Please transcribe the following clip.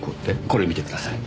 これ見てください。